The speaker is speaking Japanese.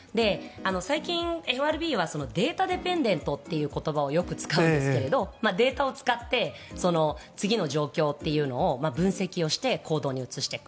最近、ＦＲＢはデータディペンデントという言葉をよく使うんですがデータを使って次の状況というのを分析して行動に移していく。